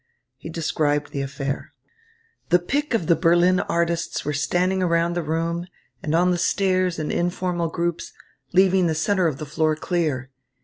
He described the affair. "The pick of the Berlin artists were standing around the room and on the stairs in informal groups, leaving the centre of the floor clear.